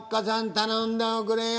頼んでおくれよ！